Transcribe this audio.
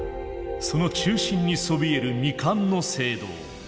その中心にそびえる未完の聖堂。